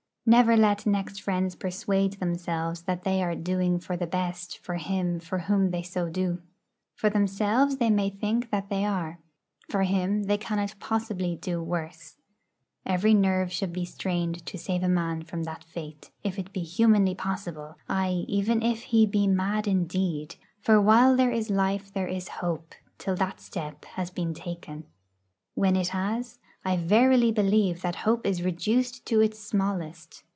Never let next friends persuade themselves that they are 'doing for the best' for him for whom they so do. For themselves they may think that they are. For him they cannot possibly do worse. Every nerve should be strained to save a man from that fate, if it be humanly possible, ay, even if he be mad indeed; for while there is life there is hope, till that step has been taken. When it has, I verily believe that hope is reduced to its smallest.